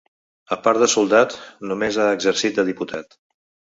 A part de soldat, només ha exercit de diputat.